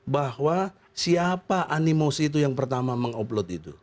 bahwa siapa animosi itu yang pertama mengupload itu